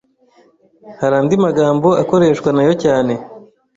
Hari andi magambo akoreshwa nayo cyane